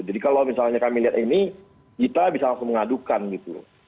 jadi kalau misalnya kami lihat ini kita bisa langsung mengadukan gitu